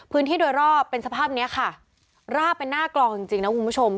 พื้นที่โดยรอบเป็นสภาพเนี้ยค่ะราบเป็นหน้ากลองจริงจริงนะคุณผู้ชม